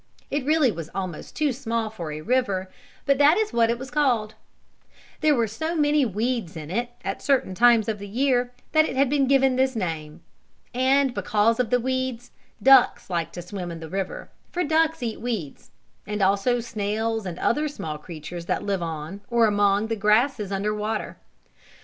It really was almost too small for a river, but that is what it was called. There were so many weeds in it, at certain times of the year, that it had been given this name. And, because of the weeds, ducks liked to swim in the river, for ducks eat weeds, and also snails and other small creatures that live on, or among, the grasses under water.